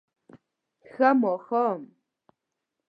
ښه ماښام